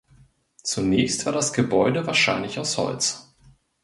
Zunächst war das Gebäude wahrscheinlich aus Holz.